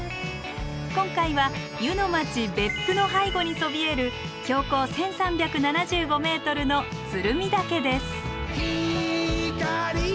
今回は湯の街別府の背後にそびえる標高１，３７５ｍの鶴見岳です。